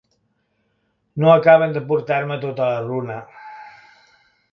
No acaben de portar-me tota la runa.